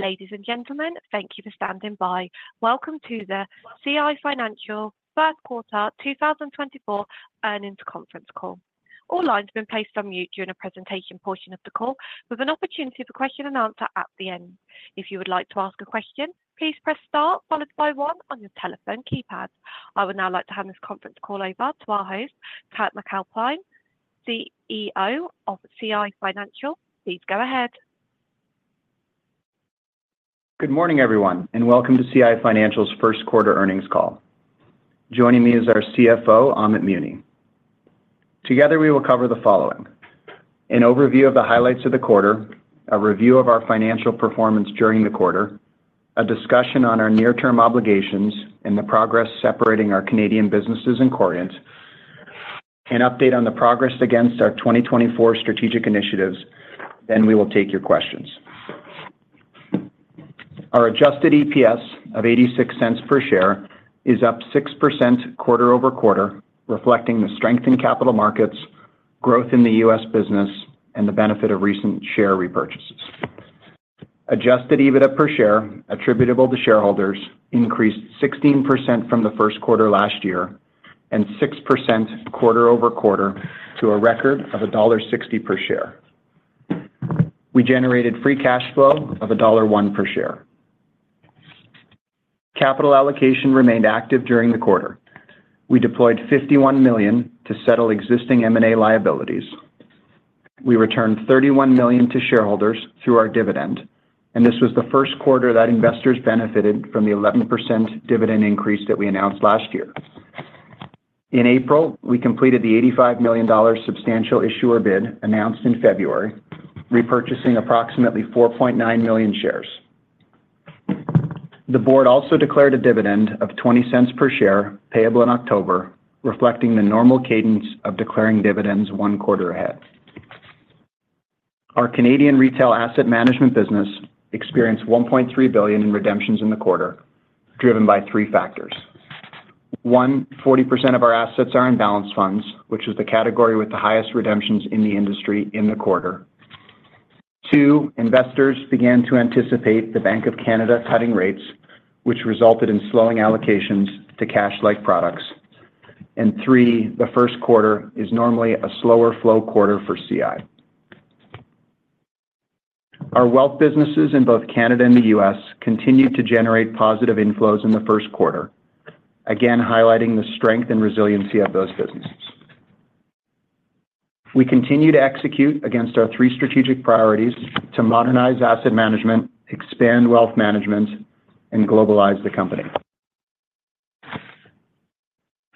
Ladies and gentlemen, thank you for standing by. Welcome to the CI Financial First Quarter 2024 Earnings Conference Call. All lines have been placed on mute during the presentation portion of the call, with an opportunity for question and answer at the end. If you would like to ask a question, please press star followed by one on your telephone keypad. I would now like to hand this conference call over to our host, Kurt MacAlpine, CEO of CI Financial. Please go ahead. Good morning, everyone, and Welcome to CI Financial's First Quarter Earnings Call. Joining me is our CFO, Amit Muni. Together we will cover the following: an overview of the highlights of the quarter, a review of our financial performance during the quarter, a discussion on our near-term obligations and the progress separating our Canadian businesses and Corient, an update on the progress against our 2024 strategic initiatives. Then we will take your questions. Our adjusted EPS of 0.86 per share is up 6% quarter-over-quarter, reflecting the strength in capital markets, growth in the U.S. business, and the benefit of recent share repurchases. Adjusted EBITDA per share attributable to shareholders increased 16% from the first quarter last year and 6% quarter-over-quarter to a record of dollar 1.60 per share. We generated free cash flow of dollar 1.01 per share. Capital allocation remained active during the quarter. We deployed 51 million to settle existing M&A liabilities. We returned 31 million to shareholders through our dividend, and this was the first quarter that investors benefited from the 11% dividend increase that we announced last year. In April, we completed the 85 million dollar substantial issuer bid announced in February, repurchasing approximately 4.9 million shares. The board also declared a dividend of 0.20 per share payable in October, reflecting the normal cadence of declaring dividends one quarter ahead. Our Canadian retail asset management business experienced 1.3 billion in redemptions in the quarter, driven by three factors. One, 40% of our assets are in balanced funds, which is the category with the highest redemptions in the industry in the quarter. Two, investors began to anticipate the Bank of Canada cutting rates, which resulted in slowing allocations to cash-like products. And three, the first quarter is normally a slower flow quarter for CI. Our wealth businesses in both Canada and the U.S. continued to generate positive inflows in the first quarter, again highlighting the strength and resiliency of those businesses. We continue to execute against our three strategic priorities to modernize asset management, expand wealth management, and globalize the company.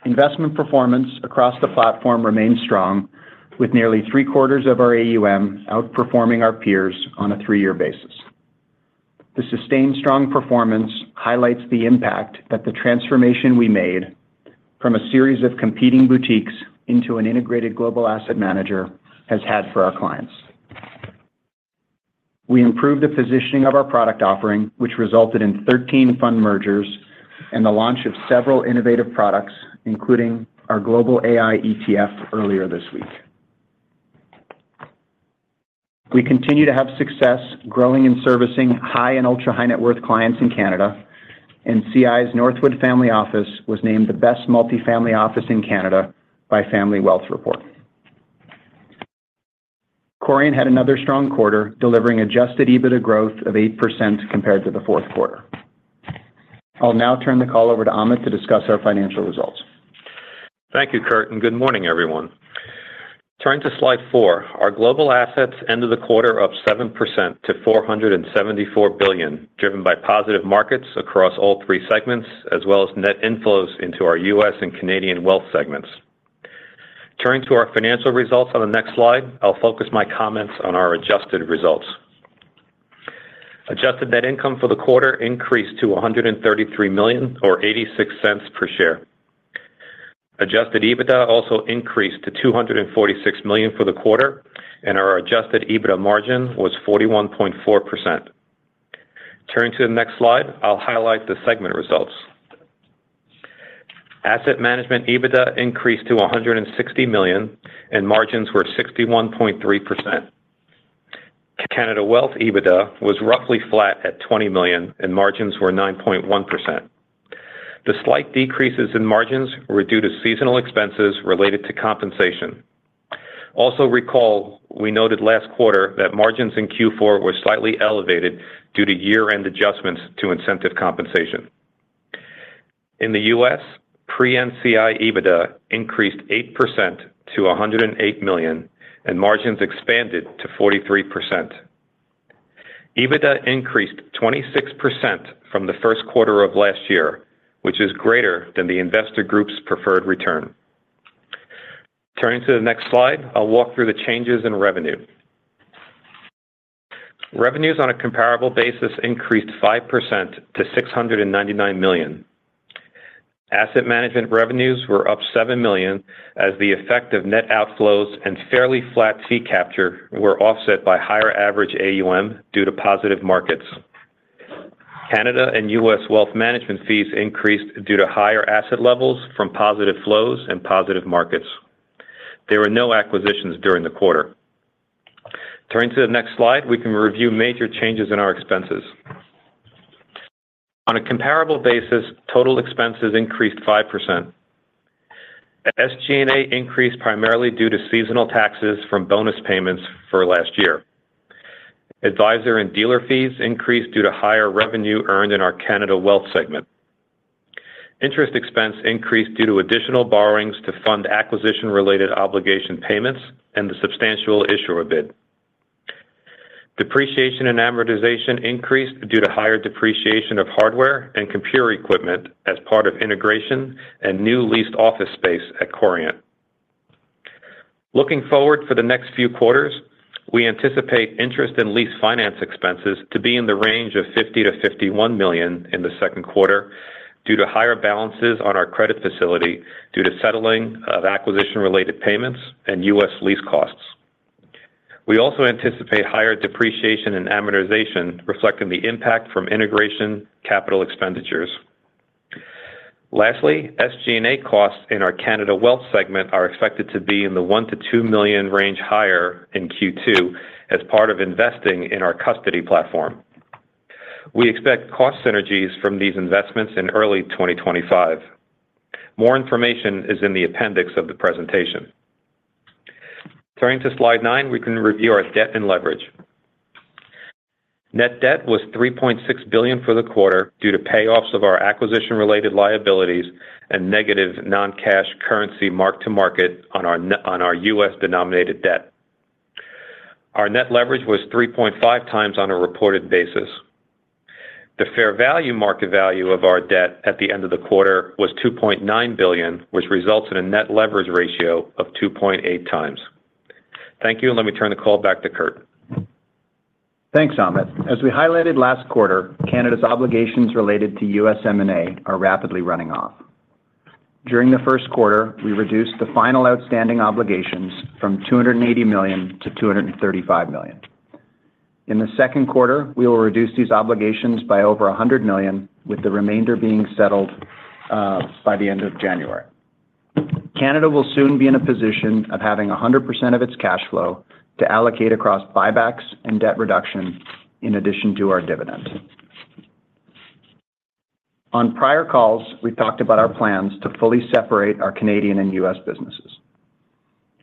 Investment performance across the platform remains strong, with nearly 3/4 of our AUM outperforming our peers on a three-year basis. The sustained strong performance highlights the impact that the transformation we made from a series of competing boutiques into an integrated global asset manager has had for our clients. We improved the positioning of our product offering, which resulted in 13 fund mergers and the launch of several innovative products, including our Global AI ETF earlier this week. We continue to have success growing and servicing high-net-worth and ultra-high-net-worth clients in Canada, and CI's Northwood Family Office was named the best multi-family office in Canada by Family Wealth Report. Corient had another strong quarter, delivering Adjusted EBITDA growth of 8% compared to the fourth quarter. I'll now turn the call over to Amit to discuss our financial results. Thank you, Kurt, and good morning, everyone. Turning to slide four, our global assets ended the quarter up 7% to 474 billion, driven by positive markets across all three segments as well as net inflows into our U.S. and Canadian wealth segments. Turning to our financial results on the next slide, I'll focus my comments on our adjusted results. Adjusted net income for the quarter increased to 133 million or 0.86 per share. Adjusted EBITDA also increased to 246 million for the quarter, and our adjusted EBITDA margin was 41.4%. Turning to the next slide, I'll highlight the segment results. Asset management EBITDA increased to 160 million, and margins were 61.3%. Canada wealth EBITDA was roughly flat at 20 million, and margins were 9.1%. The slight decreases in margins were due to seasonal expenses related to compensation. Also, recall we noted last quarter that margins in Q4 were slightly elevated due to year-end adjustments to incentive compensation. In the U.S., pre-NCI EBITDA increased 8% to 108 million, and margins expanded to 43%. EBITDA increased 26% from the first quarter of last year, which is greater than the investor group's preferred return. Turning to the next slide, I'll walk through the changes in revenue. Revenues on a comparable basis increased 5% to 699 million. Asset management revenues were up 7 million as the effect of net outflows and fairly flat fee capture were offset by higher average AUM due to positive markets. Canada and U.S. wealth management fees increased due to higher asset levels from positive flows and positive markets. There were no acquisitions during the quarter. Turning to the next slide, we can review major changes in our expenses. On a comparable basis, total expenses increased 5%. SG&A increased primarily due to seasonal taxes from bonus payments for last year. Advisor and dealer fees increased due to higher revenue earned in our Canada wealth segment. Interest expense increased due to additional borrowings to fund acquisition-related obligation payments and the substantial issuer bid. Depreciation and amortization increased due to higher depreciation of hardware and computer equipment as part of integration and new leased office space at Corient. Looking forward for the next few quarters, we anticipate interest and lease finance expenses to be in the range of 50 million-51 million in the second quarter due to higher balances on our credit facility due to settling of acquisition-related payments and U.S. lease costs. We also anticipate higher depreciation and amortization reflecting the impact from integration capital expenditures. Lastly, SG&A costs in our Canada wealth segment are expected to be in the 1 million-2 million range higher in Q2 as part of investing in our custody platform. We expect cost synergies from these investments in early 2025. More information is in the appendix of the presentation. Turning to slide nine, we can review our debt and leverage. Net debt was 3.6 billion for the quarter due to payoffs of our acquisition-related liabilities and negative non-cash currency mark-to-market on our U.S. denominated debt. Our net leverage was 3.5x on a reported basis. The fair value market value of our debt at the end of the quarter was 2.9 billion, which results in a net leverage ratio of 2.8x. Thank you, and let me turn the call back to Kurt. Thanks, Amit. As we highlighted last quarter, CI's obligations related to U.S. M&A are rapidly running off. During the first quarter, we reduced the final outstanding obligations from 280 million to 235 million. In the second quarter, we will reduce these obligations by over 100 million, with the remainder being settled by the end of January. CI will soon be in a position of having 100% of its cash flow to allocate across buybacks and debt reduction in addition to our dividend. On prior calls, we talked about our plans to fully separate our Canadian and U.S. businesses.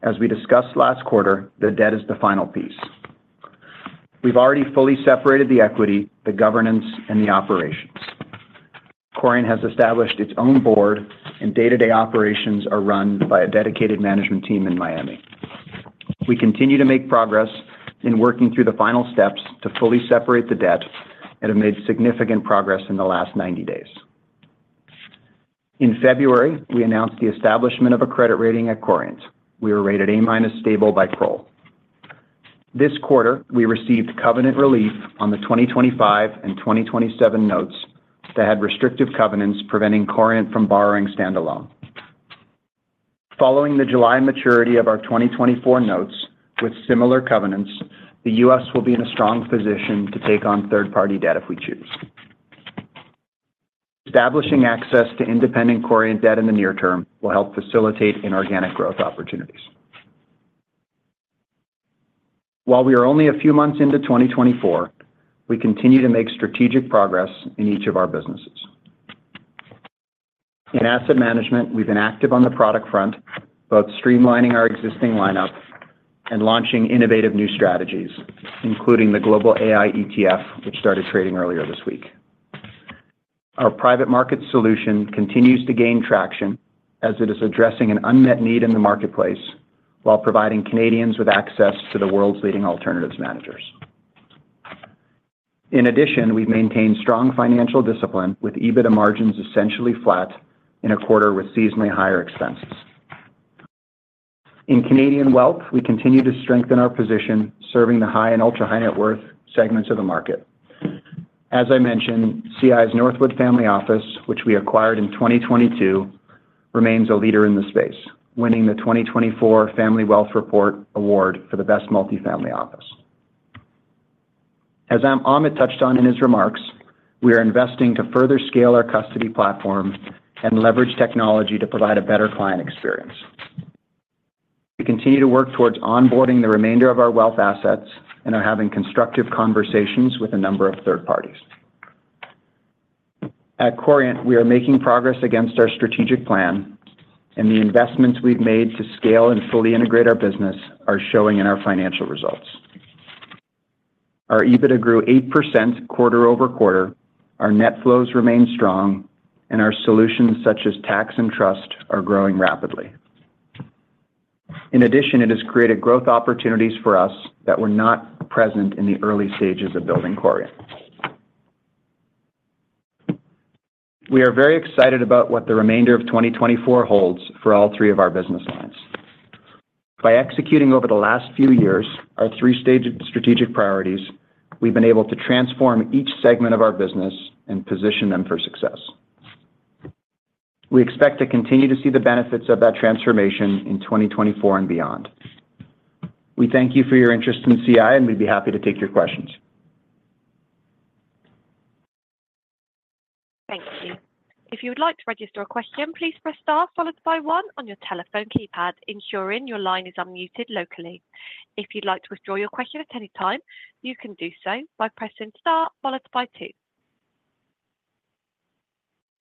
As we discussed last quarter, the debt is the final piece. We've already fully separated the equity, the governance, and the operations. Corient has established its own board, and day-to-day operations are run by a dedicated management team in Miami. We continue to make progress in working through the final steps to fully separate the debt and have made significant progress in the last 90 days. In February, we announced the establishment of a credit rating at Corient. We were rated A- stable by Kroll. This quarter, we received covenant relief on the 2025 and 2027 notes that had restrictive covenants preventing Corient from borrowing standalone. Following the July maturity of our 2024 notes with similar covenants, the U.S. will be in a strong position to take on third-party debt if we choose. Establishing access to independent Corient debt in the near term will help facilitate inorganic growth opportunities. While we are only a few months into 2024, we continue to make strategic progress in each of our businesses. In asset management, we've been active on the product front, both streamlining our existing lineup and launching innovative new strategies, including the Global AI ETF, which started trading earlier this week. Our private market solution continues to gain traction as it is addressing an unmet need in the marketplace while providing Canadians with access to the world's leading alternatives managers. In addition, we've maintained strong financial discipline with EBITDA margins essentially flat in a quarter with seasonally higher expenses. In Canadian wealth, we continue to strengthen our position serving the high and ultra-high-net-worth segments of the market. As I mentioned, CI's Northwood Family Office, which we acquired in 2022, remains a leader in the space, winning the 2024 Family Wealth Report Award for the best multi-family office. As Amit touched on in his remarks, we are investing to further scale our custody platform and leverage technology to provide a better client experience. We continue to work towards onboarding the remainder of our wealth assets and are having constructive conversations with a number of third parties. At Corient, we are making progress against our strategic plan, and the investments we've made to scale and fully integrate our business are showing in our financial results. Our EBITDA grew 8% quarter-over-quarter, our net flows remain strong, and our solutions such as tax and trust are growing rapidly. In addition, it has created growth opportunities for us that were not present in the early stages of building Corient. We are very excited about what the remainder of 2024 holds for all three of our business lines. By executing over the last few years, our three-staged strategic priorities, we've been able to transform each segment of our business and position them for success. We expect to continue to see the benefits of that transformation in 2024 and beyond. We thank you for your interest in CI, and we'd be happy to take your questions. Thank you. If you would like to register a question, please press star followed by one on your telephone keypad, ensuring your line is unmuted locally. If you'd like to withdraw your question at any time, you can do so by pressing star followed by two.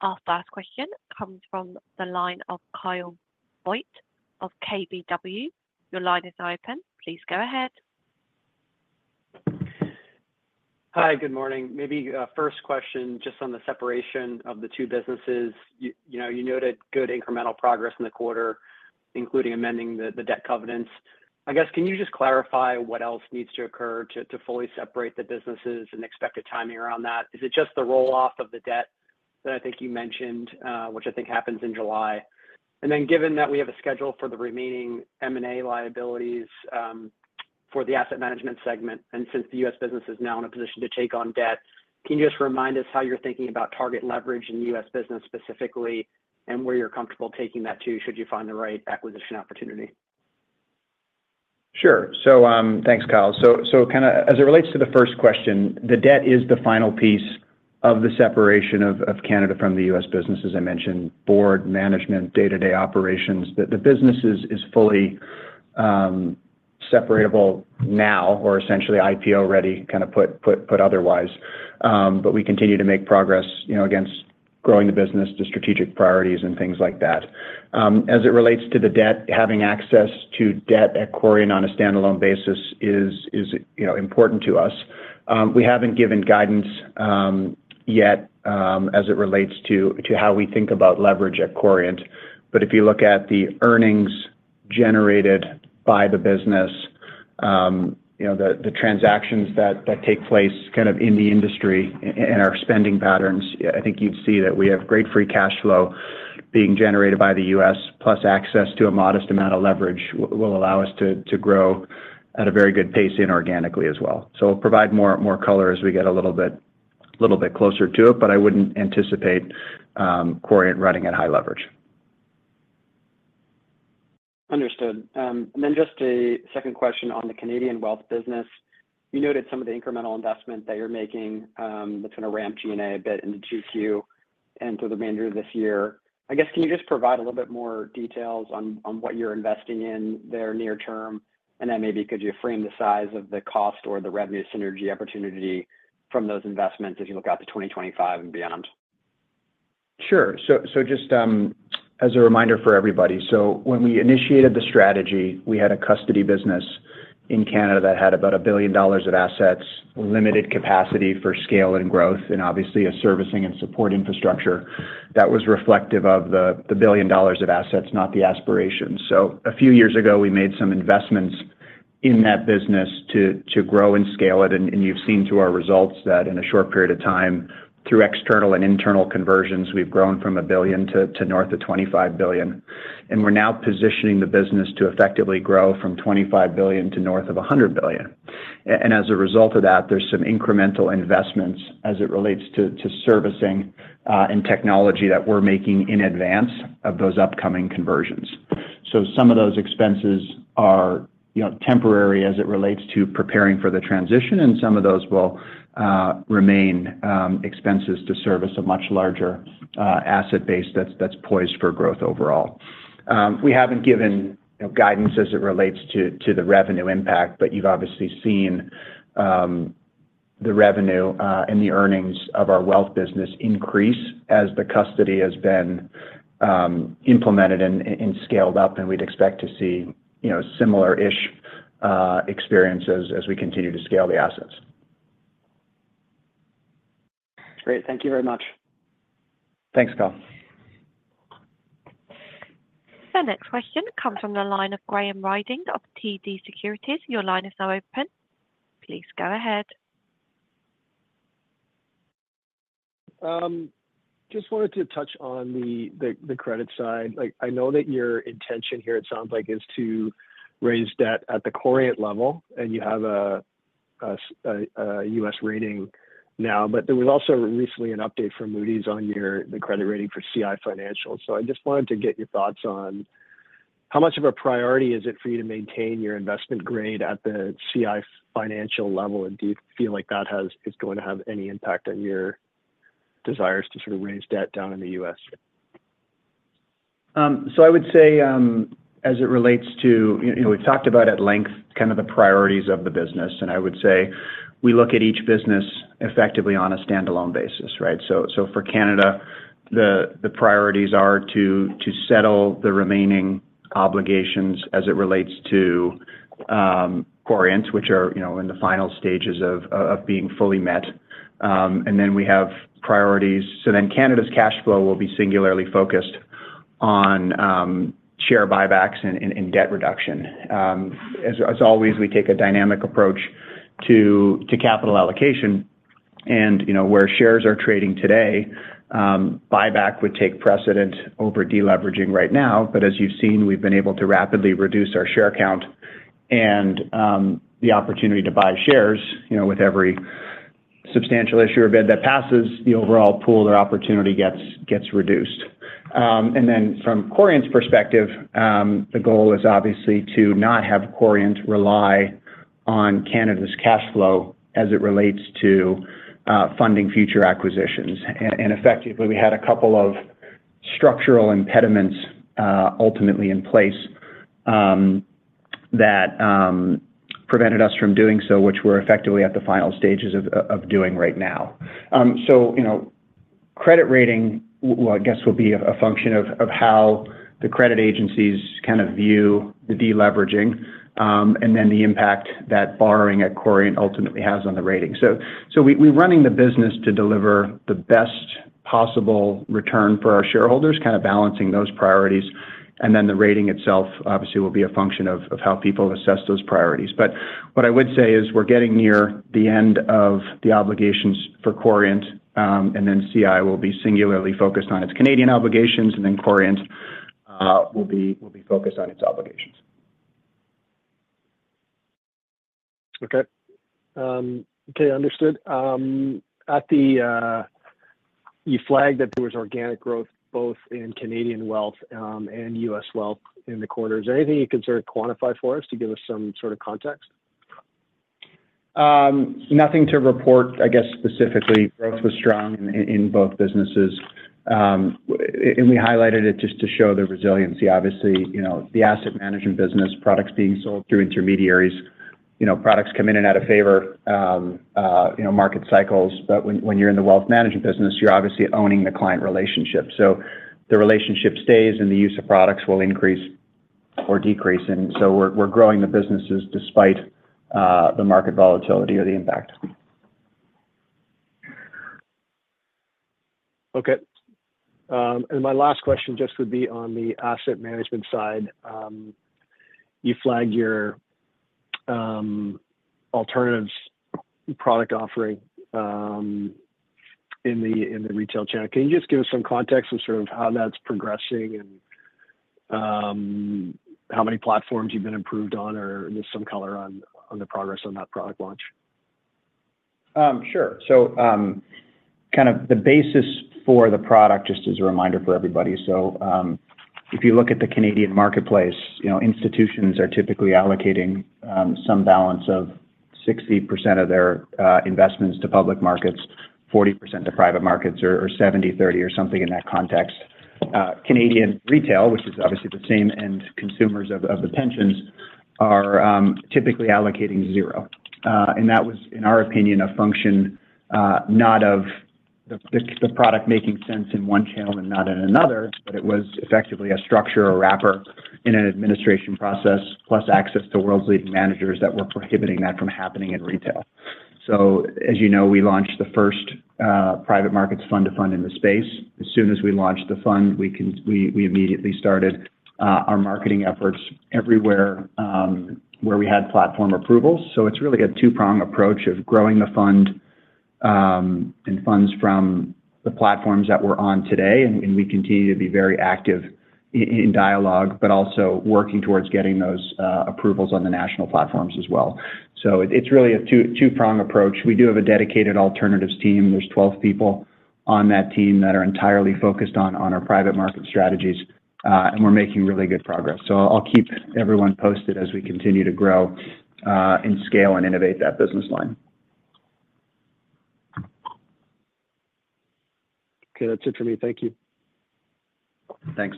Our first question comes from the line of Kyle Voigt of KBW. Your line is open. Please go ahead. Hi, good morning. Maybe first question just on the separation of the two businesses. You noted good incremental progress in the quarter, including amending the debt covenants. I guess, can you just clarify what else needs to occur to fully separate the businesses and expected timing around that? Is it just the roll-off of the debt that I think you mentioned, which I think happens in July? And then given that we have a schedule for the remaining M&A liabilities for the asset management segment, and since the U.S. business is now in a position to take on debt, can you just remind us how you're thinking about target leverage in the U.S. business specifically and where you're comfortable taking that to should you find the right acquisition opportunity? Sure. So thanks, Kyle. So kind of as it relates to the first question, the debt is the final piece of the separation of Canada from the U.S. business, as I mentioned: board, management, day-to-day operations. The business is fully separable now or essentially IPO-ready, kind of put otherwise. But we continue to make progress against growing the business to strategic priorities and things like that. As it relates to the debt, having access to debt at Corient on a standalone basis is important to us. We haven't given guidance yet as it relates to how we think about leverage at Corient. But if you look at the earnings generated by the business, the transactions that take place kind of in the industry and our spending patterns, I think you'd see that we have great free cash flow being generated by the U.S., plus access to a modest amount of leverage will allow us to grow at a very good pace inorganically as well. So it'll provide more color as we get a little bit closer to it, but I wouldn't anticipate Corient running at high leverage. Understood. And then just a second question on the Canadian wealth business. You noted some of the incremental investment that you're making that's going to ramp G&A a bit into Q2 and through the remainder of this year. I guess, can you just provide a little bit more details on what you're investing in there near term? And then maybe could you frame the size of the cost or the revenue synergy opportunity from those investments as you look out to 2025 and beyond? Sure. So just as a reminder for everybody, so when we initiated the strategy, we had a custody business in Canada that had about 1 billion dollars of assets, limited capacity for scale and growth, and obviously a servicing and support infrastructure that was reflective of the 1 billion dollars of assets, not the aspirations. So a few years ago, we made some investments in that business to grow and scale it. And you've seen through our results that in a short period of time, through external and internal conversions, we've grown from a billion to north of 25 billion. And we're now positioning the business to effectively grow from 25 billion to north of 100 billion. And as a result of that, there's some incremental investments as it relates to servicing and technology that we're making in advance of those upcoming conversions. Some of those expenses are temporary as it relates to preparing for the transition, and some of those will remain expenses to service a much larger asset base that's poised for growth overall. We haven't given guidance as it relates to the revenue impact, but you've obviously seen the revenue and the earnings of our wealth business increase as the custody has been implemented and scaled up. We'd expect to see similar-ish experiences as we continue to scale the assets. Great. Thank you very much. Thanks, Kyle. The next question comes from the line of Graham Ryding of TD Securities. Your line is now open. Please go ahead. Just wanted to touch on the credit side. I know that your intention here, it sounds like, is to raise debt at the Corient level, and you have a U.S. rating now. But there was also recently an update from Moody's on the credit rating for CI Financial. So I just wanted to get your thoughts on how much of a priority is it for you to maintain your investment grade at the CI Financial level, and do you feel like that is going to have any impact on your desires to sort of raise debt down in the U.S.? So I would say as it relates to we've talked about at length kind of the priorities of the business. And I would say we look at each business effectively on a standalone basis, right? So for Canada, the priorities are to settle the remaining obligations as it relates to Corient, which are in the final stages of being fully met. And then we have priorities so then Canada's cash flow will be singularly focused on share buybacks and debt reduction. As always, we take a dynamic approach to capital allocation. And where shares are trading today, buyback would take precedence over deleveraging right now. But as you've seen, we've been able to rapidly reduce our share count and the opportunity to buy shares with every substantial issuer bid that passes, the overall pool or opportunity gets reduced. Then from Corient's perspective, the goal is obviously to not have Corient rely on Canada's cash flow as it relates to funding future acquisitions. Effectively, we had a couple of structural impediments ultimately in place that prevented us from doing so, which we're effectively at the final stages of doing right now. Credit rating, I guess, will be a function of how the credit agencies kind of view the deleveraging and then the impact that borrowing at Corient ultimately has on the rating. We're running the business to deliver the best possible return for our shareholders, kind of balancing those priorities. The rating itself, obviously, will be a function of how people assess those priorities. What I would say is we're getting near the end of the obligations for Corient, and then CI will be singularly focused on its Canadian obligations, and then Corient will be focused on its obligations. Okay. Okay, understood. You flagged that there was organic growth both in Canadian wealth and U.S. wealth in the quarter. Is there anything you can sort of quantify for us to give us some sort of context? Nothing to report, I guess, specifically. Growth was strong in both businesses. We highlighted it just to show the resiliency. Obviously, the asset management business, products being sold through intermediaries, products come in and out of favor market cycles. When you're in the wealth management business, you're obviously owning the client relationship. The relationship stays, and the use of products will increase or decrease. We're growing the businesses despite the market volatility or the impact. Okay. My last question just would be on the asset management side. You flagged your alternatives product offering in the retail channel. Can you just give us some context of sort of how that's progressing and how many platforms you've been improved on or just some color on the progress on that product launch? Sure. So kind of the basis for the product, just as a reminder for everybody, so if you look at the Canadian marketplace, institutions are typically allocating some balance of 60% of their investments to public markets, 40% to private markets, or 70/30 or something in that context. Canadian retail, which is obviously the same end consumers of the pensions, are typically allocating zero. And that was, in our opinion, a function not of the product making sense in one channel and not in another, but it was effectively a structure or wrapper in an administration process, plus access to world-leading managers that were prohibiting that from happening in retail. So as you know, we launched the first private markets fund-to-fund in the space. As soon as we launched the fund, we immediately started our marketing efforts everywhere where we had platform approvals. So it's really a two-pronged approach of growing the fund and funds from the platforms that we're on today. And we continue to be very active in dialogue but also working towards getting those approvals on the national platforms as well. So it's really a two-pronged approach. We do have a dedicated alternatives team. There's 12 people on that team that are entirely focused on our private market strategies. And we're making really good progress. So I'll keep everyone posted as we continue to grow and scale and innovate that business line. Okay. That's it for me. Thank you. Thanks.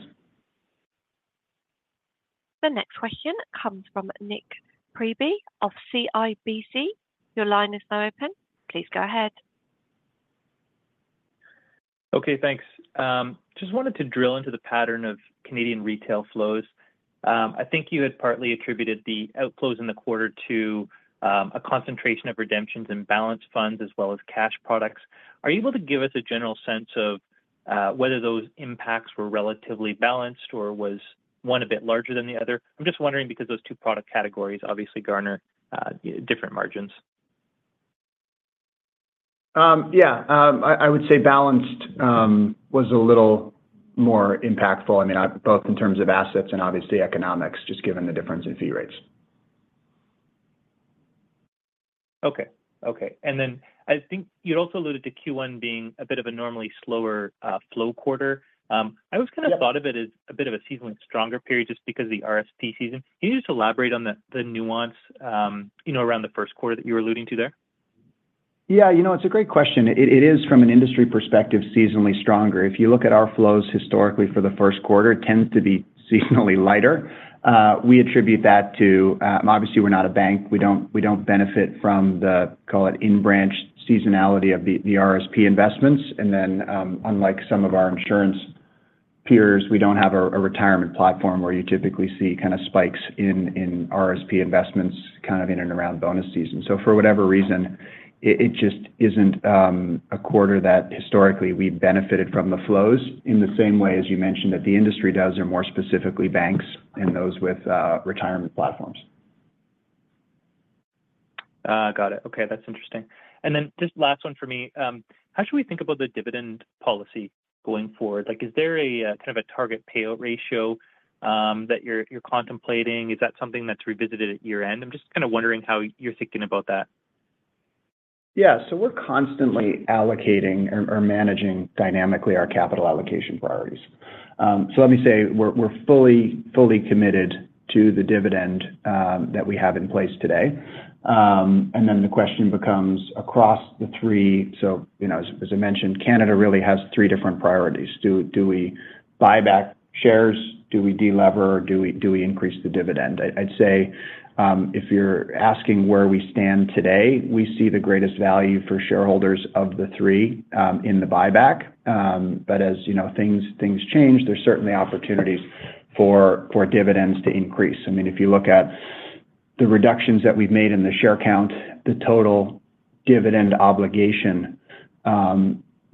The next question comes from Nik Priebe of CIBC. Your line is now open. Please go ahead. Okay. Thanks. Just wanted to drill into the pattern of Canadian retail flows. I think you had partly attributed the outflows in the quarter to a concentration of redemptions in balanced funds as well as cash products. Are you able to give us a general sense of whether those impacts were relatively balanced or was one a bit larger than the other? I'm just wondering because those two product categories obviously garner different margins. Yeah. I would say balanced was a little more impactful, I mean, both in terms of assets and obviously economics, just given the difference in fee rates. Okay. Okay. And then I think you'd also alluded to Q1 being a bit of a normally slower flow quarter. I always kind of thought of it as a bit of a seasonally stronger period just because of the RSP season. Can you just elaborate on the nuance around the first quarter that you were alluding to there? Yeah. It's a great question. It is, from an industry perspective, seasonally stronger. If you look at our flows historically for the first quarter, it tends to be seasonally lighter. We attribute that to obviously, we're not a bank. We don't benefit from the, call it, in-branch seasonality of the RSP investments. And then unlike some of our insurance peers, we don't have a retirement platform where you typically see kind of spikes in RSP investments kind of in and around bonus season. So for whatever reason, it just isn't a quarter that historically we've benefited from the flows in the same way as you mentioned that the industry does or more specifically banks and those with retirement platforms. Got it. Okay. That's interesting. And then just last one for me. How should we think about the dividend policy going forward? Is there kind of a target payout ratio that you're contemplating? Is that something that's revisited at year-end? I'm just kind of wondering how you're thinking about that? Yeah. So we're constantly allocating or managing dynamically our capital allocation priorities. So let me say we're fully committed to the dividend that we have in place today. And then the question becomes across the three, so as I mentioned, Canada really has three different priorities. Do we buy back shares? Do we de-lever? Do we increase the dividend? I'd say if you're asking where we stand today, we see the greatest value for shareholders of the three in the buyback. But as things change, there's certainly opportunities for dividends to increase. I mean, if you look at the reductions that we've made in the share count, the total dividend obligation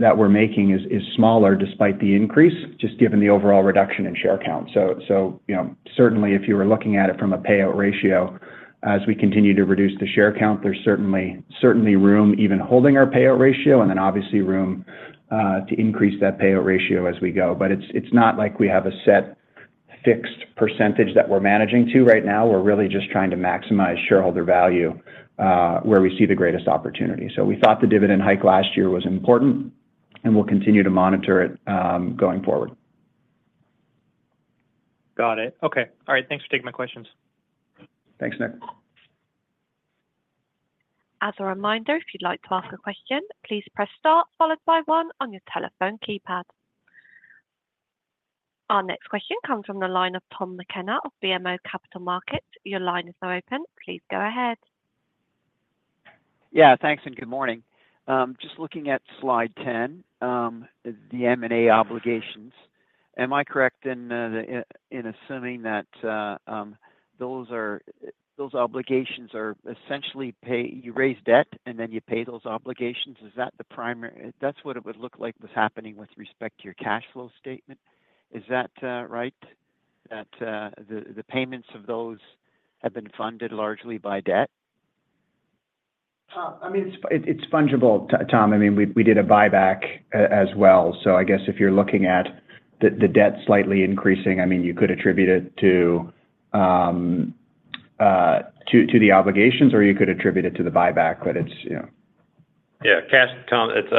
that we're making is smaller despite the increase, just given the overall reduction in share count. So certainly, if you were looking at it from a payout ratio, as we continue to reduce the share count, there's certainly room even holding our payout ratio and then obviously room to increase that payout ratio as we go. But it's not like we have a set fixed percentage that we're managing to right now. We're really just trying to maximize shareholder value where we see the greatest opportunity. So we thought the dividend hike last year was important, and we'll continue to monitor it going forward. Got it. Okay. All right. Thanks for taking my questions. Thanks, Nik. As a reminder, if you'd like to ask a question, please press star followed by one on your telephone keypad. Our next question comes from the line of Tom MacKinnon of BMO Capital Markets. Your line is now open. Please go ahead. Yeah. Thanks and good morning. Just looking at slide 10, the M&A obligations, am I correct in assuming that those obligations are essentially you raise debt, and then you pay those obligations? Is that the primary that's what it would look like was happening with respect to your cash flow statement. Is that right, that the payments of those have been funded largely by debt? I mean, it's fungible, Tom. I mean, we did a buyback as well. So I guess if you're looking at the debt slightly increasing, I mean, you could attribute it to the obligations, or you could attribute it to the buyback, but it's. Yeah. Tom, it's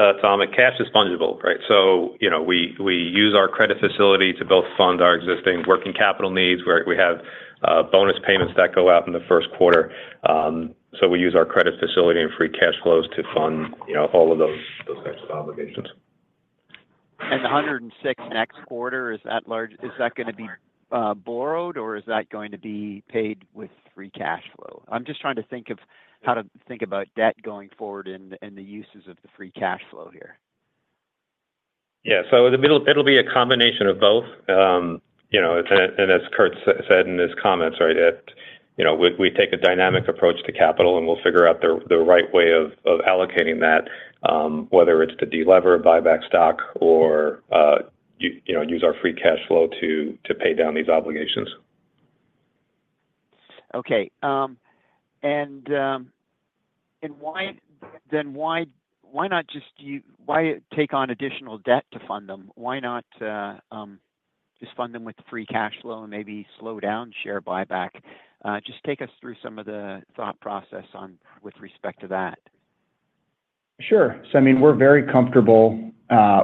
cash is fungible, right? So we use our credit facility to both fund our existing working capital needs. We have bonus payments that go out in the first quarter. So we use our credit facility and free cash flows to fund all of those types of obligations. The 106 million next quarter, is that going to be borrowed, or is that going to be paid with free cash flow? I'm just trying to think of how to think about debt going forward and the uses of the free cash flow here. Yeah. So it'll be a combination of both. And as Kurt said in his comments, right, we take a dynamic approach to capital, and we'll figure out the right way of allocating that, whether it's to de-lever, buy back stock, or use our free cash flow to pay down these obligations. Okay. And then why not just why take on additional debt to fund them? Why not just fund them with free cash flow and maybe slow down share buyback? Just take us through some of the thought process with respect to that. Sure. So I mean, we're very comfortable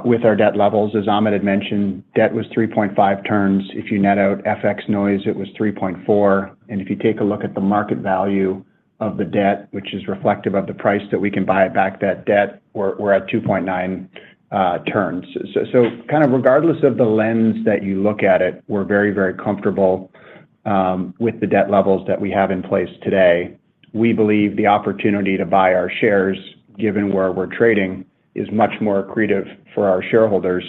with our debt levels. As Amit had mentioned, debt was 3.5x turns. If you net out FX noise, it was 3.4x. And if you take a look at the market value of the debt, which is reflective of the price that we can buy back that debt, we're at 2.9x turns. So kind of regardless of the lens that you look at it, we're very, very comfortable with the debt levels that we have in place today. We believe the opportunity to buy our shares, given where we're trading, is much more creative for our shareholders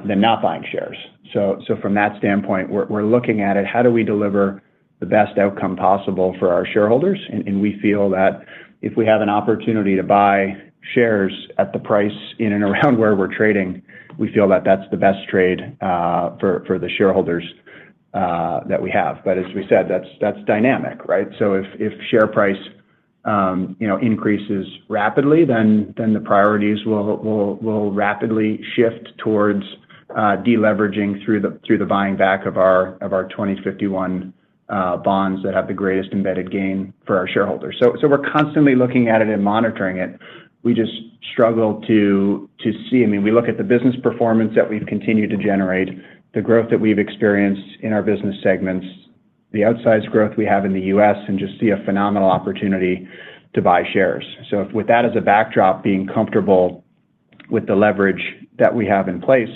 than not buying shares. So from that standpoint, we're looking at it, how do we deliver the best outcome possible for our shareholders? We feel that if we have an opportunity to buy shares at the price in and around where we're trading, we feel that that's the best trade for the shareholders that we have. But as we said, that's dynamic, right? So if share price increases rapidly, then the priorities will rapidly shift towards deleveraging through the buying back of our 2051 bonds that have the greatest embedded gain for our shareholders. So we're constantly looking at it and monitoring it. We just struggle to see. I mean, we look at the business performance that we've continued to generate, the growth that we've experienced in our business segments, the outsize growth we have in the U.S., and just see a phenomenal opportunity to buy shares. So with that as a backdrop, being comfortable with the leverage that we have in place,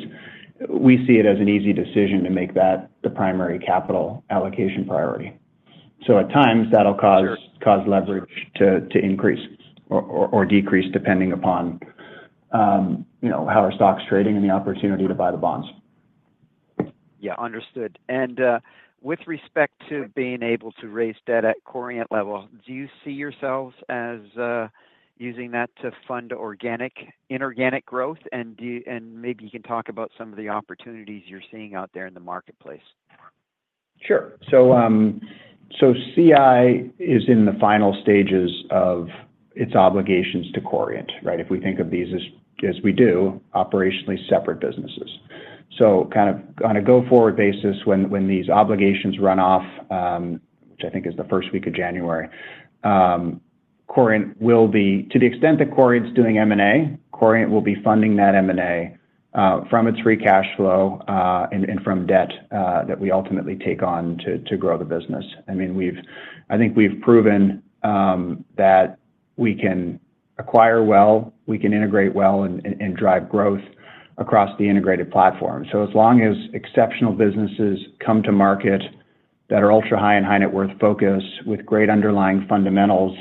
we see it as an easy decision to make that the primary capital allocation priority. So at times, that'll cause leverage to increase or decrease depending upon how our stock's trading and the opportunity to buy the bonds. Yeah. Understood. And with respect to being able to raise debt at Corient level, do you see yourselves as using that to fund inorganic growth? And maybe you can talk about some of the opportunities you're seeing out there in the marketplace. Sure. So CI is in the final stages of its obligations to Corient, right? If we think of these as we do, operationally separate businesses. So kind of on a go-forward basis, when these obligations run off, which I think is the first week of January, Corient will be to the extent that Corient's doing M&A, Corient will be funding that M&A from its free cash flow and from debt that we ultimately take on to grow the business. I mean, I think we've proven that we can acquire well, we can integrate well, and drive growth across the integrated platform. So as long as exceptional businesses come to market that are ultra-high and high-net-worth focused with great underlying fundamentals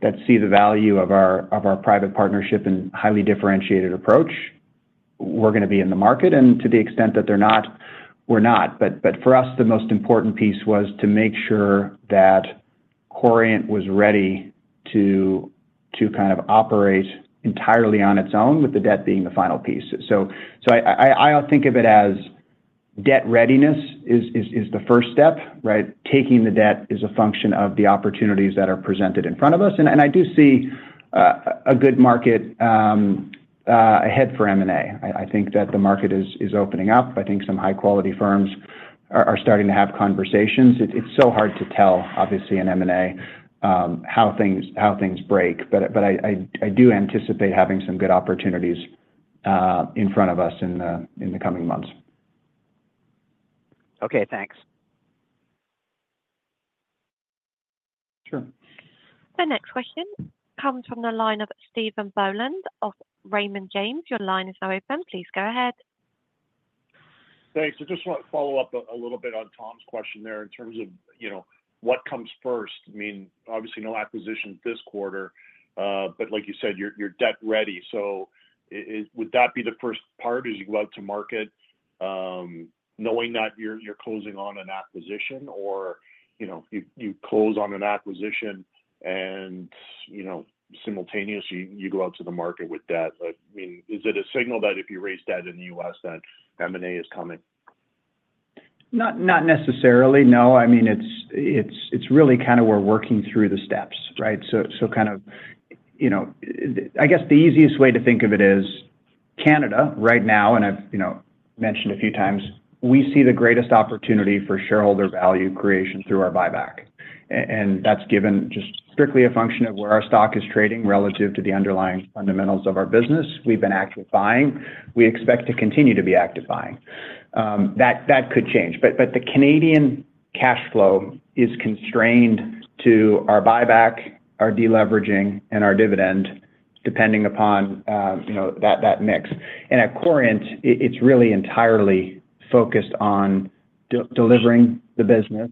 that see the value of our private partnership and highly differentiated approach, we're going to be in the market. And to the extent that they're not, we're not. But for us, the most important piece was to make sure that Corient was ready to kind of operate entirely on its own, with the debt being the final piece. So I think of it as debt readiness is the first step, right? Taking the debt is a function of the opportunities that are presented in front of us. And I do see a good market ahead for M&A. I think that the market is opening up. I think some high-quality firms are starting to have conversations. It's so hard to tell, obviously, in M&A, how things break. But I do anticipate having some good opportunities in front of us in the coming months. Okay. Thanks. Sure. The next question comes from the line of Stephen Boland of Raymond James. Your line is now open. Please go ahead. Thanks. I just want to follow up a little bit on Tom's question there in terms of what comes first. I mean, obviously, no acquisition this quarter. But like you said, you're debt ready. So would that be the first part as you go out to market, knowing that you're closing on an acquisition, or you close on an acquisition and simultaneously you go out to the market with debt? I mean, is it a signal that if you raise debt in the U.S., then M&A is coming? Not necessarily, no. I mean, it's really kind of we're working through the steps, right? So kind of I guess the easiest way to think of it is Canada right now, and I've mentioned a few times, we see the greatest opportunity for shareholder value creation through our buyback. And that's given just strictly a function of where our stock is trading relative to the underlying fundamentals of our business. We've been active buying. We expect to continue to be active buying. That could change. But the Canadian cash flow is constrained to our buyback, our deleveraging, and our dividend depending upon that mix. And at Corient, it's really entirely focused on delivering the business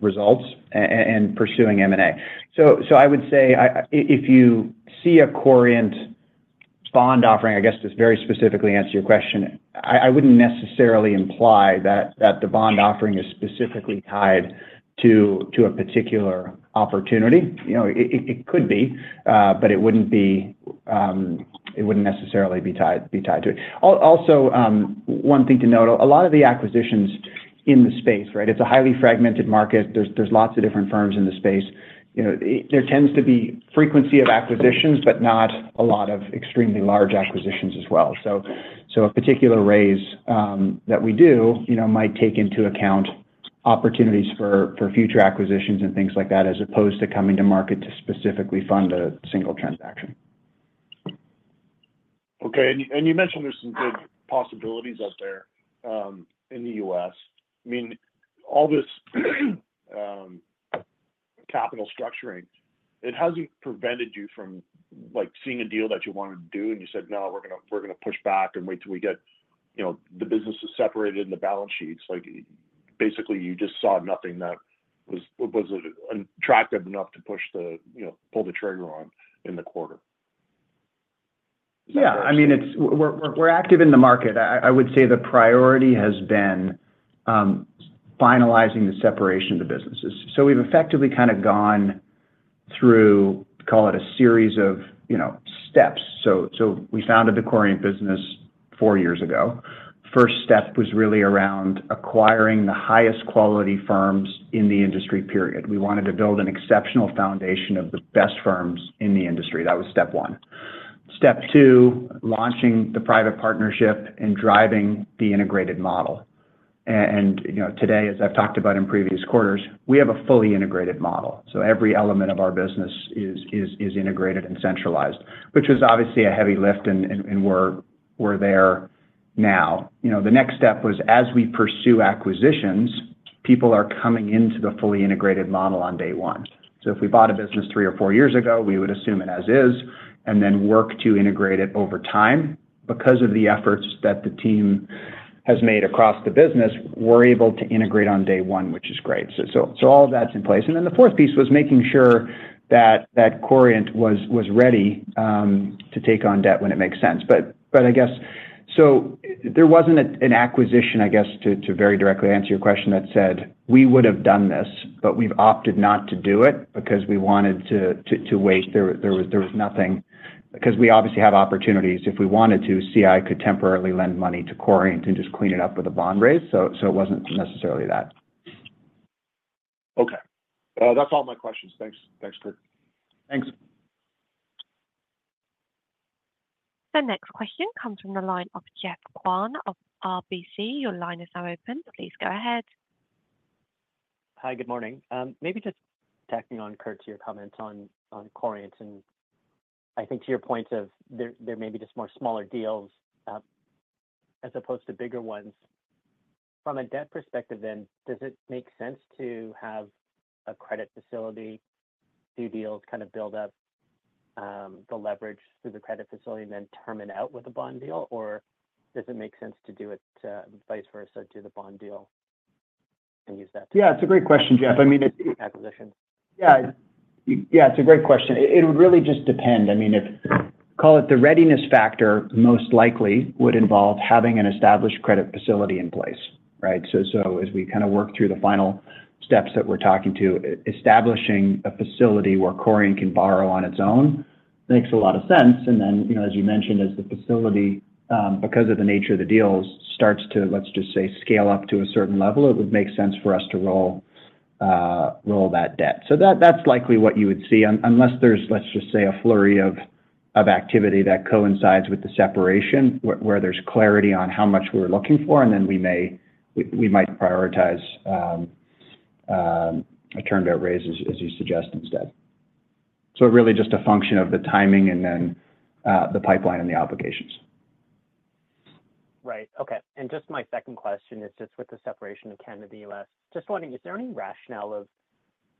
results and pursuing M&A. So I would say if you see a Corient bond offering I guess this very specifically answers your question. I wouldn't necessarily imply that the bond offering is specifically tied to a particular opportunity. It could be, but it wouldn't necessarily be tied to it. Also, one thing to note, a lot of the acquisitions in the space, right, it's a highly fragmented market. There's lots of different firms in the space. There tends to be frequency of acquisitions, but not a lot of extremely large acquisitions as well. So a particular raise that we do might take into account opportunities for future acquisitions and things like that as opposed to coming to market to specifically fund a single transaction. Okay. And you mentioned there's some good possibilities out there in the U.S. I mean, all this capital structuring, it hasn't prevented you from seeing a deal that you wanted to do, and you said, "No, we're going to push back and wait till we get the businesses separated and the balance sheets." Basically, you just saw nothing that was attractive enough to pull the trigger on in the quarter. Is that correct? Yeah. I mean, we're active in the market. I would say the priority has been finalizing the separation of the businesses. So we've effectively kind of gone through, call it, a series of steps. So we founded the Corient business four years ago. First step was really around acquiring the highest quality firms in the industry, period. We wanted to build an exceptional foundation of the best firms in the industry. That was step one. Step two, launching the private partnership and driving the integrated model. And today, as I've talked about in previous quarters, we have a fully integrated model. So every element of our business is integrated and centralized, which was obviously a heavy lift, and we're there now. The next step was as we pursue acquisitions, people are coming into the fully integrated model on day one. So if we bought a business three or four years ago, we would assume it as is and then work to integrate it over time. Because of the efforts that the team has made across the business, we're able to integrate on day one, which is great. So all of that's in place. And then the fourth piece was making sure that Corient was ready to take on debt when it makes sense. But I guess so there wasn't an acquisition, I guess, to very directly answer your question that said, "We would have done this, but we've opted not to do it because we wanted to wait." There was nothing because we obviously have opportunities. If we wanted to, CI could temporarily lend money to Corient and just clean it up with a bond raise. So it wasn't necessarily that. Okay. That's all my questions. Thanks, Kurt. Thanks. The next question comes from the line of Geoff Kwan of RBC. Your line is now open. Please go ahead. Hi. Good morning. Maybe just tacking on, Kurt, to your comments on Corient. I think to your point of there may be just more smaller deals as opposed to bigger ones. From a debt perspective, then, does it make sense to have a credit facility do deals, kind of build up the leverage through the credit facility, and then terminate out with a bond deal? Or does it make sense to do it vice versa, do the bond deal and use that to? Yeah. It's a great question, Geoff. I mean. Acquisitions. Yeah. Yeah. It's a great question. It would really just depend. I mean, call it the readiness factor, most likely would involve having an established credit facility in place, right? So as we kind of work through the final steps that we're talking to, establishing a facility where Corient can borrow on its own makes a lot of sense. And then, as you mentioned, as the facility, because of the nature of the deals, starts to, let's just say, scale up to a certain level, it would make sense for us to roll that debt. So that's likely what you would see unless there's, let's just say, a flurry of activity that coincides with the separation where there's clarity on how much we're looking for, and then we might prioritize a turned-out raise, as you suggest, instead. Really just a function of the timing and then the pipeline and the obligations. Right. Okay. And just my second question is just with the separation of Canada-U.S. Just wondering, is there any rationale of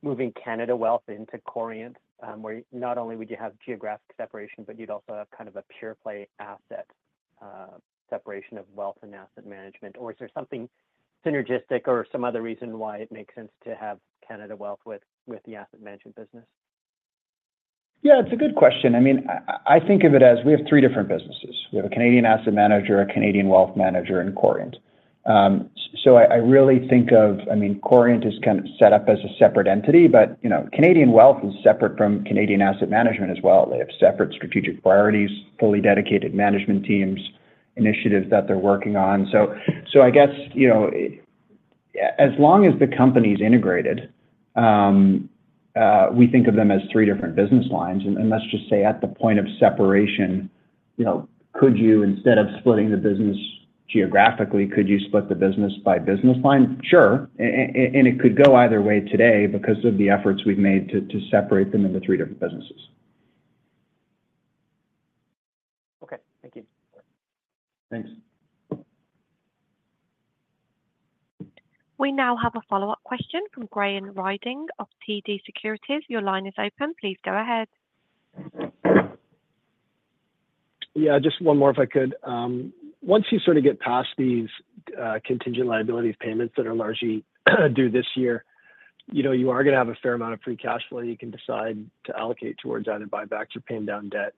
moving Canada Wealth into Corient where not only would you have geographic separation, but you'd also have kind of a pure-play asset separation of wealth and asset management? Or is there something synergistic or some other reason why it makes sense to have Canada Wealth with the asset management business? Yeah. It's a good question. I mean, I think of it as we have three different businesses. We have a Canadian asset manager, a Canadian wealth manager, and Corient. So I really think of, I mean, Corient is kind of set up as a separate entity, but Canadian Wealth is separate from Canadian asset management as well. They have separate strategic priorities, fully dedicated management teams, initiatives that they're working on. So I guess as long as the company's integrated, we think of them as three different business lines. And let's just say at the point of separation, could you instead of splitting the business geographically, could you split the business by business line? Sure. And it could go either way today because of the efforts we've made to separate them into three different businesses. Okay. Thank you. Thanks. We now have a follow-up question from Graham Ryding of TD Securities. Your line is open. Please go ahead. Yeah. Just one more, if I could. Once you sort of get past these contingent liabilities payments that are largely due this year, you are going to have a fair amount of free cash flow you can decide to allocate towards either buybacks or paying down debt.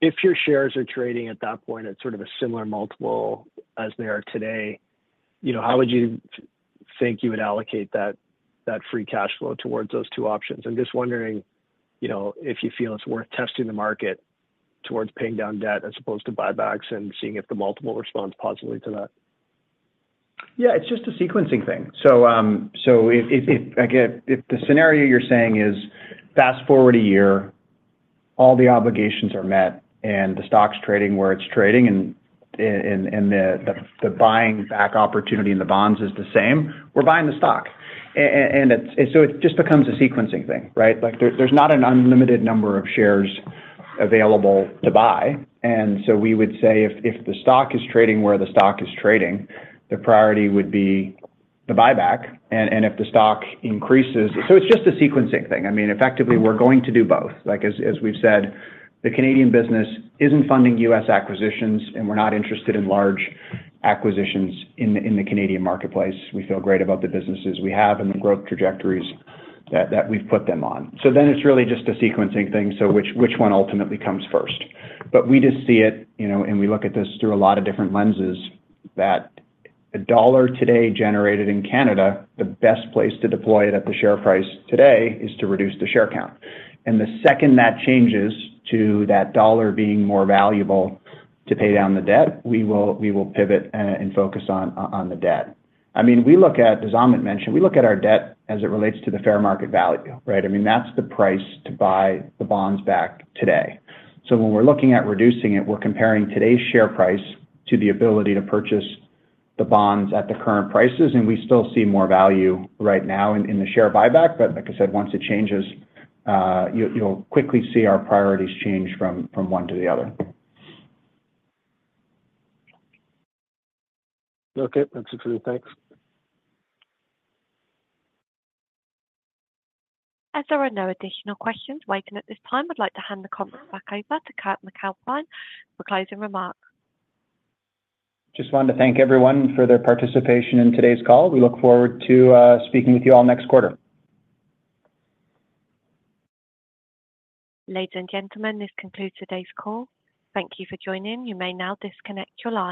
If your shares are trading at that point at sort of a similar multiple as they are today, how would you think you would allocate that free cash flow towards those two options? I'm just wondering if you feel it's worth testing the market towards paying down debt as opposed to buybacks and seeing if the multiple responds positively to that. Yeah. It's just a sequencing thing. So if the scenario you're saying is fast-forward a year, all the obligations are met, and the stock's trading where it's trading, and the buying back opportunity in the bonds is the same, we're buying the stock. And so it just becomes a sequencing thing, right? There's not an unlimited number of shares available to buy. And so we would say if the stock is trading where the stock is trading, the priority would be the buyback. And if the stock increases so it's just a sequencing thing. I mean, effectively, we're going to do both. As we've said, the Canadian business isn't funding U.S. acquisitions, and we're not interested in large acquisitions in the Canadian marketplace. We feel great about the businesses we have and the growth trajectories that we've put them on. So then it's really just a sequencing thing, so which one ultimately comes first. But we just see it, and we look at this through a lot of different lenses, that a dollar today generated in Canada, the best place to deploy it at the share price today is to reduce the share count. And the second that changes to that dollar being more valuable to pay down the debt, we will pivot and focus on the debt. I mean, we look at, as Amit mentioned, we look at our debt as it relates to the fair market value, right? I mean, that's the price to buy the bonds back today. So when we're looking at reducing it, we're comparing today's share price to the ability to purchase the bonds at the current prices. And we still see more value right now in the share buyback. Like I said, once it changes, you'll quickly see our priorities change from one to the other. Okay. That's it for me. Thanks. As there were no additional questions waiting at this time, I'd like to hand the conference back over to Kurt MacAlpine for closing remarks. Just wanted to thank everyone for their participation in today's call. We look forward to speaking with you all next quarter. Ladies and gentlemen, this concludes today's call. Thank you for joining. You may now disconnect your line.